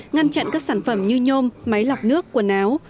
ngăn chặn các sản phẩm như nhôm máy lọc nước quần áo